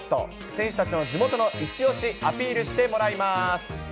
選手たちの地元の一押し、アピールしてもらいます。